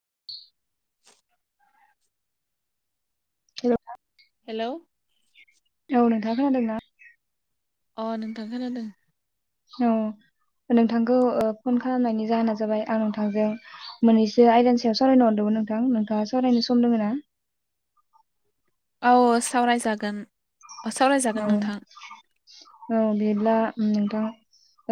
[inaudible] Hello hello औ नोंथां खोनादोंना? अ नोंथां खोनादों औ नोंथांखौ ओ फन खालामनायनि जाहोना जाबाय आं नोंथांजों मोननैसो आयदानि सायाव सावरायनो हरदोंमोन। नोंथां नोंथांङा सावरायनो सम दोंङ ना? औ सावरायजागोन अ औ सावरायजागोन नोंथां। औ बे ब्ला नोंथां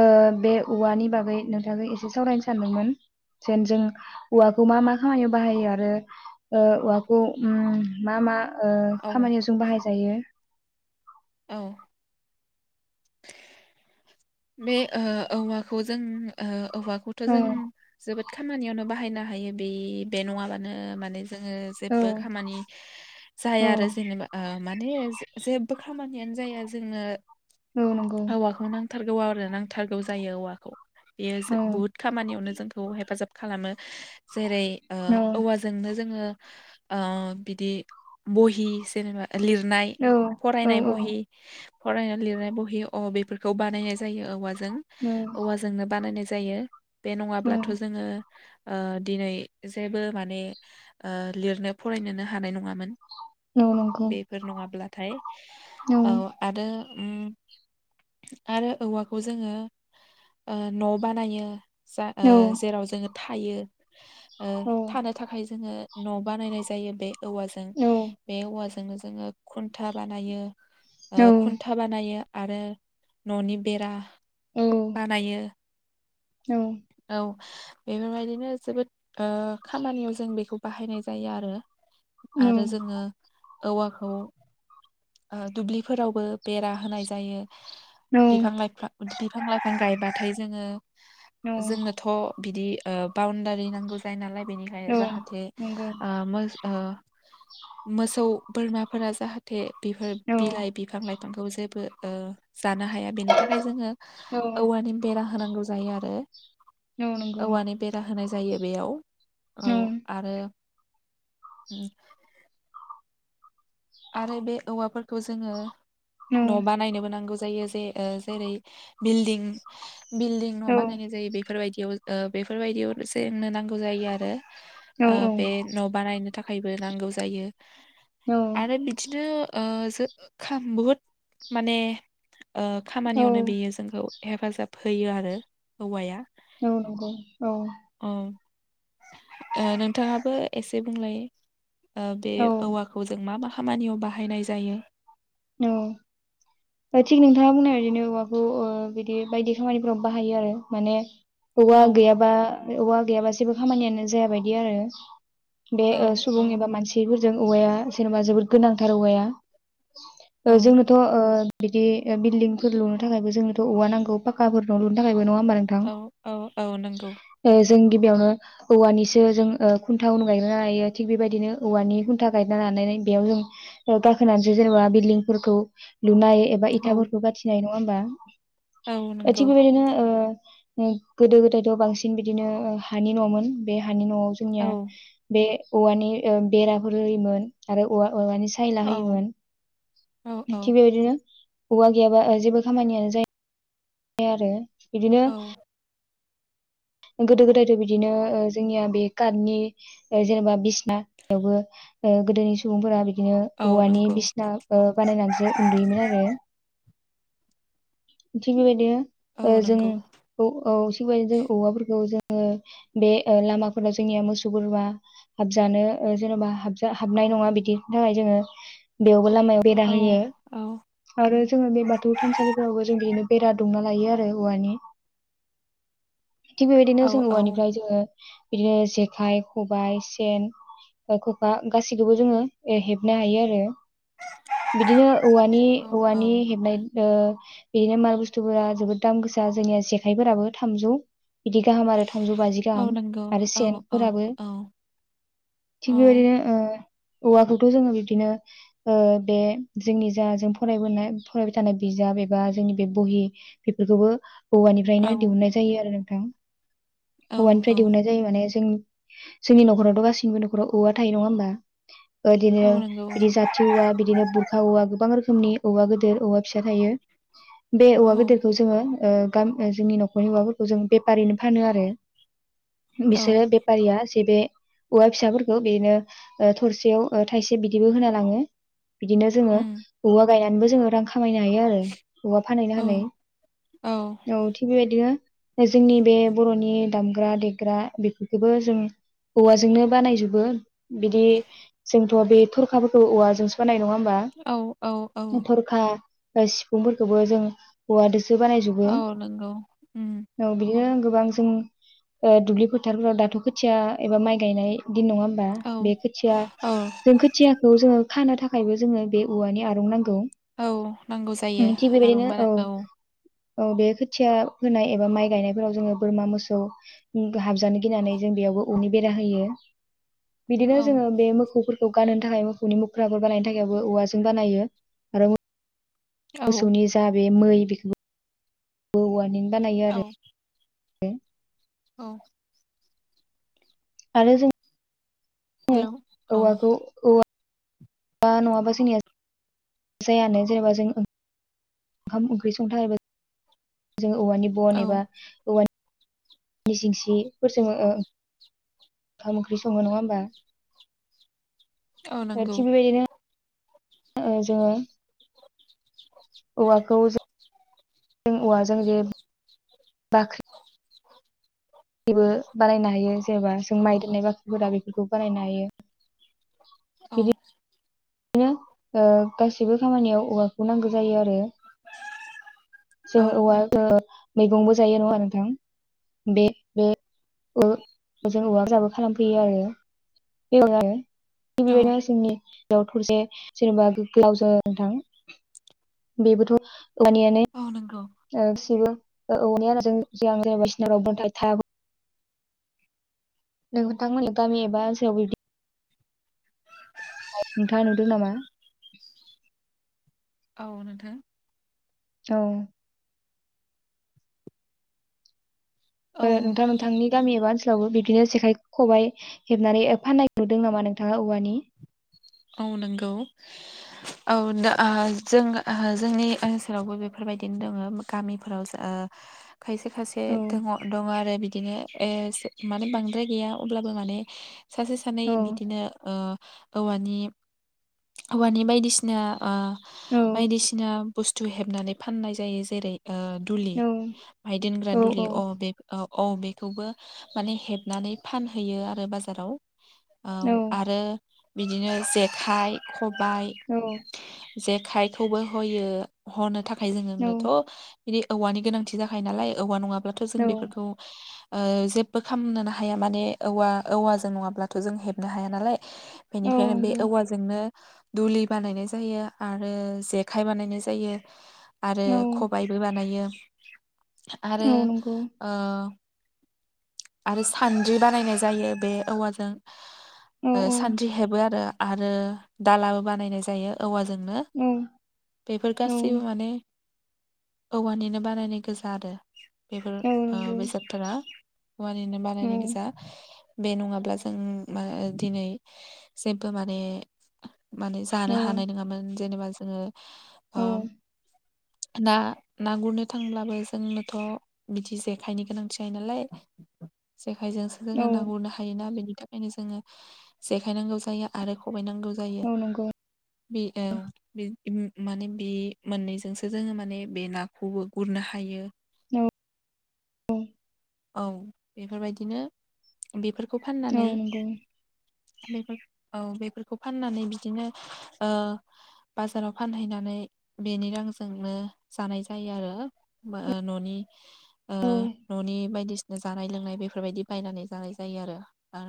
ओ बे औवानि बागै नोंथांखो एसे सावरायनो सानदोंमोन [unintelligible] जेन जों औवाखौ मा मा खामानियाव बाहायो आरो ओ औवाखौ उम मा मा ओ औ खामानियाव जों बाहाय जायो औ बे ओ औवाखौ जों ओ औवाखौथ' औ जों जोबोद खामानियावनो बाहायनो हायो बे बे नंङाबानो माने जोंङ औ जेबो खामानि जाया औ आरो जेनेबा ओ माने जे-जेबो खामानि निया‌नो जाया जोंङो औ नंगौ नांथारगौ आरो नांथारगौ जायो औवाखौ बेयो जो औ बुहुत खामानियावनो जोंखौ हेफाजाब खालामो जेरै ओ औ औवाजोंनो जोंङो ओ बिदि बहि जेनेबा लिरनाय औ औ फरायनाय बहि फरायनाय लिरनाय बहि अ बेफोरखौ बाना नायनाय जायो औवाजों औ औवाजोंनो बानायनाय जायो बे औ नंङाब्लाथ' जोंङो। ओ दिनै जेबो माने ओ लिरनो फरायनोनो हानाय नंङामोन। औ नंगौ बेफोर नंङाब्लाथाय औ आरो उम आरो औवाखौ जोंङो ओ न' बानायो। जा ओ जेराव जोंङो थायो ओ थानो थाखाय जोंङो न' बानायनाय जायो बे औवाजों बे औवाजोंनो जोंङो खुन्था बानायो। ओ खुन्था बानायो आरो न'नि बेरा बानायो औ बेफोर बायदिनो जोबोद ओ खामानियाव जों बेखौ बाहायनाय जायो आरो। आरो जोंङो औवाखौ ओ दुब्लिफोरावबो बेरा होनाय जायो। बिफां लाइफां बिफां लाइफां गायबाथाय जोंङो जोंनोथ' बिदि ओ बाउन्डारि नांगौ जायो नालाय बेनिखाय जाहाथे नंगौ, ओ मोज ओ मोसौ बोरमाफोरा जाहाथे बिफोर बिलाइ बिफां लाइ बिफांखौ जेबो ओ जानो हाया बेनि थाखाय जोंङो औवानि बेरा होनांगौ जायो आरो नंगौ, औवानि बेरा होनाय जायो बेयाव औ आरो उम आरो बे औवाफोरखौ जोंङो न' बानायनोबो नांगौ जा जायो जे ओ जेरै बिल्डिं बिल्डिं न बानायनाय जायो बे बेफोर बायदियाव ओ बेफोर बायदियाव जेन्नो नांगौ जायो आरो ओ औ, बे न' बानायनो थाखायबो नांगौ जायो आरो बिदिनो ओ जो खाम बुहुद माने ओ खामानियावनो औ, बेयो जोंखौ हेफाजाब होयो आरो औवाया औ नंगौ औ। ओ ओ नोंथाङाबो एसे बुंलाय ओ‌ बे औ, औवाखौ जों मा मा खामानियाव बाहायनाय जायो। औ। थिग नोंथाङा बुंनाय बिदिनो औवाखौ ओ बिदि बायदि खामानिफोराव बाहायो आरो माने औवा औ गैयाबा औवा गैयाबा जेबो खामानियानो जाया बायदि आरो। बे औ ओ‌ सुबुं औ एबा मानसिफोरजों औवाया जेनेबा जोबोद गोनांथार औवाया ओ जोंनोथ' ओ बिदि बिल्दिंफोर लुनो थाखायबो जोंनोथ' औवा नांगौ फाखाफोर न' लुनो थाखायबो नङा होमबा नोंथां औ औ औ नंगौ। ओ जों गिबियावनो औवानिसो जों ओ खुनथा उन गायना हायो थिग बेबायदिनो औवानि खुन्था गायनानै नानै‌ बेयाव जों‌ गाखोनानै जेरै जेनेबा बिल्डिंफोरखौ लुनाय एबा औ इथाफोरखौ गाथिनाय नङा होमबा? औ ओ नंगौ थिक बेबायदिनो ओ ओम गोदो गोदायथ' बांसिन बिदिनो हानि न'मोन बे हानि न'आव औ जोंनिया बे औवानि बेराफोर होयोमोन आरो औवा औवानि सायला होयोमोन औ थिग औ बेबायदिनो औवा गैयाबा जेबो खामानियानो जाया ओमफाय आरो इदिनो औ गोदो गोदायथ' बिदिनो जोंनिया बे काटनिओ जेनेबा बिसना बेयावबो ओ गोदोनि सुबुंफोरा बिदिनो औ औवानि नंगौ बिसिना ओ बानायनानैसो उन्दुयोमोन आरो। थिग बेबायदि औ ओ जों नंगौ औ थिग बेदि जों औवाफोरखौ जों ओ बे लामाफोराव जोंनिया मोसौ गुरुवा हाबजानो ओ जेन'बा हाबजानो नाय नङा बिदिनि थाखाय जोङो बेयावबो लामायाव बेरा औ होयो औ आरो जोङो बे बाथौ थानसालिफोरावबो जों बिदिनो बेरा दुंना लायो आरो औवानि। थिग बेबायदिनो जोङो औ औवानिफ्राय जोङो बिदिनो जेखाइ खबाय सेन ओ ख'खा गासैखौबो जोङो हेबनो हायो आरो। बिदिनो औवानि औ औ औवानि हेबनाय ओ बिदिनो माल बुस्थुफोरा जोबोद दाम गोसा जोंनिया जेखाइफोराबो थामजौ बिदि गाहाम आरो थामजौ बाजि औ गाहाम नंगौ आरो औ औ सेनफोराबो औ औ थिग बेबायदिनो ओ औवाखौथ' जोङो बिबदिनो ओ बे जोंनि जा जों फरायबोनाय फरायबाय थानाय बिजाब बे बा जोंनि बे बहि बेफोरखौबो औ औवानिफ्रायनो दिहुननाय जायो आरो नोंथां। औ औवानिफ्राय दिहुननाय जायो माने जों जोंनि न'खरावथ' गासिनिबो न'खराव औवा थायो नङा होमबा? इदिनो औ नंगौ बिदि जाथि औवा बिदिनो बुरखा औवा गोबां रोखोमनि औवा गिदिर औवा फिसा थायो। बे औ औवा गेदेरखौ जोङो ओ गाम जोंनि न'खरनि औवाफोरखौ जों बेफारिनो फानो आरो। औ बिसोरो बेफारिया जेबे औवा फिसाफोरखौ बिदिनो ओ थरसेयाव थाइसे बिदिबो होना लाङो। बिदिनो जोङो उम औवा गायनानैबो जोङो रां खामायनो हायो आरो। औवा फाहैनो औ हानाय। औ थिग बेबायदिनो जोंनि बे बर'नि दामग्रा देग्रा बेफोरखौबो जों औवाजोंनो बानायजोबो बिदि जोंथ' बे थरखाफोरखौ औवाजोंसो बानायो नङा औ औ होमबाथ थरखा सिफुंफोरखौबो औवाजोंसो बिदि बानाय जोबो‌ औ नंगौ उम औ बियो गोबां जों ओ दुब्लि फोथारफोराव दाथ' खोथिया एबा माइ गायनाय बिदि नङा होमबा औ बे खोथिया औ जों खोथियाखौ जोङो खानो थाखायबो जोङो बे औवानि आरं नांगौ। औ नांगौ जायो थिग बेबायदिनो आरंबा औ औ बे खोथिया फोनाय एबा माइ गायनायफोराव जोङो बोरमा मोसौ हाबजानो गिनानै जों बेयाव औ औवानि बेरा होयो बिदिनो औ जोङो बे मो- खौ गानहोनो थाखाय मोसौनि मोख्राफोर बानायनो थाखायबो औवाजों बानायो आरो औ मोसौनि जा बे मै बेखौ औवनि बानायो औ आरो [unintelligible] औ आरो जों ङो हेलौ औ औवाखौ औवा- आ नंङाबा जोंनिया जायानो जेनेबा जों ओंखाम ओंख्रि संथबा जोङो औवानि बन औ एबा औवा नि [unintelligible] ओंखाम ओंख्रि सङो नङा होमबा औ नंगौ गासिबो एबायदिनो ओ जोङो औवाखौ जों जों औवाजों जे बाख्रि [inaudible] खौ बानायनो हायो औ बिदिनो ओ गासैबो खामानियाव औवाखौ नांगौ जायो आरो औ जोङो औवा ओ मैगंबो जायो नङा नोंथां बे बे ओ जों औवा जाबो खालामफैयो आरो [unintelligible] बे औ बायदिनो आव थरसे जेनेबा गोलाव ज थां बेबोथ' [unintelligible] औ नंगौ गसिबो [unintelligible] नोंथांमोन गामि एबा ओनसोलावबो बिदि [unintelligible] नुदों नामा औ नोंथां औ औ ओ नोंथां नोंथांनि गामि एबा ओनसोलाव बिदि बियो जेखाइ खबाइ हेबनानै एफानाय नुदों नामा नोंथाङा औवानि औ नंगौ औ दा ओ जों जोंनि ओनसोलावबो बेफोर बेबायदिनो दङ गामिफोराव ओ खायसे खायसे औ दङ दङ आरो बिदिनो ओ माने बांद्राय गैया अब्लाबो माने सासे सानै औ बिदिनो ओ औवानि औवानि बायदिसिना ओ औ बायदिसिना बुस्थु हेबनानै फाननाय जायो जेरै ओ दुलि औ माय दोनग्रा औ औ दुलि अ बेगाव औ बेखौबो माने हेबनानै फानहैयो आरो बाजाराव औ आरो बिदिनो जेखाइ खबाय औ जेखाइखौबो होयो हनो थाखाय जोंनोथ' बिदि औवानि गोनांथि जाखायो नालाय औवा नङाब्लाथ' जों बेफोरखौ ओ जेबो खालामनोनो हाया माने औवा औवाजों नङाब्लाथ' जों हेबनो हाया नालाय औ बेनिफ्रायनो बे नंगौ औवाजोंनो दुलि बानायनाय जायो आरो जेखाय बानायनाय जायो आरो औ खबायबो बानायो आरो औ नंगौ ओ आरो सान्द्रि बानायनाय जायो बे औवाजों औ ओ औ सान्द्रि हेबो आरो आरो दालाबो बानायनाय जायो औवाजों। जोंनो औ बेफोर गासैबो औ माने औवानिनो बानायनाय गोजा आरो बेफोर औ नंगौ बेसादफोरा औवानिनो बानायनाय औ गोजा बे नङाब्ला जों मा दिनै जेबो माने माने औ जानो हानाय नोङामोन जेनेबा जोङो औ ओम [inaudible] ना ना गुरनो थांब्लाबो जोंनोथ बिदि जेखाइनि गोनांथि जायो नालाय [inaudible] जेखायजोंसो जोङो औ ना गुरनो हायोना बेनि थाखायनो जोङो जेखाय नांगौ जायो आरो खब बाय नांगौ जायो औ नंगौ बि औ माने बि मोननैजोंसो जोङो माने बे नाखौबो गुरनो हायो औ औ औ बेफोरबायदिनो बेफोरखौ फाननानै औ नंगौ बेफोर औ बेफोरखौ फाननानै बिदिनो ओ बाजाराव फानहैनानै बेनि रांजोंनो जानाय जायो आरो ओ ननि ओ औ ननि बायदिसि जानाय लोंनाय बेफोरबायदि बायनानै जानाय जायो आरो आ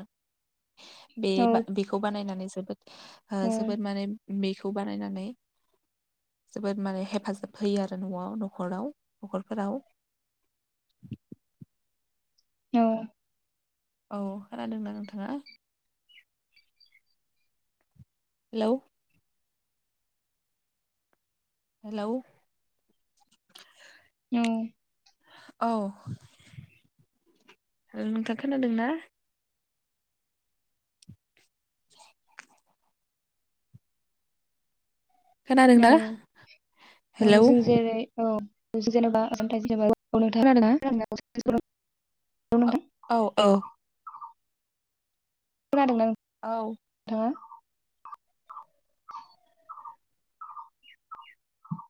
बे औ बेखौ बानायनानै जोबोद आ औ जोबोद माने बेखौ बानायनानै जोबोद माने हेफाजाब होयो आरो नआव नखराव नखरफोराव [inaudible] औ औ खोनादोंना नोंथाङा? हेलौ हेलौ औ औ नोंथाङा खोनादों ना? औ औ खोनादोंना हेलौ जों जेरै औ [unintelligible] औ औ खोनादों ना? औ हो? [inaudible]